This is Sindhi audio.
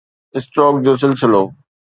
اسٽروڪ جو سلسلو